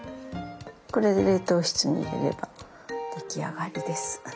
これで冷凍室に入れれば出来上がりです。